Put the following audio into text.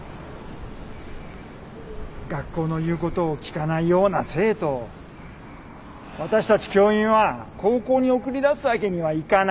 学校の言うことを聞かないような生徒を私たち教員は高校に送り出すわけにはいかない。